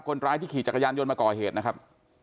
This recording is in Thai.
คนร้ายที่ขี่จักรยานยนต์มาก่อเหตุนะครับ